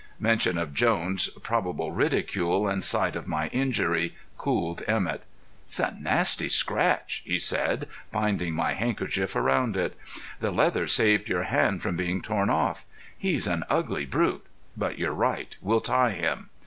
Mention of Jones' probable ridicule and sight of my injury cooled Emett. "It's a nasty scratch," he said, binding my handkerchief round it. "The leather saved your hand from being torn off. He's an ugly brute, but you're right, we'll tie him.